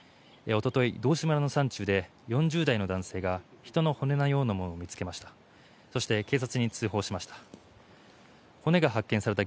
おととい、道志村の山中で４０代の男性が人の骨のようなものを見つけました。